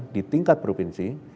di tingkat provinsi